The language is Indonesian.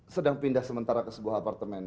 sedang pindah sementara ke sebuah apartemen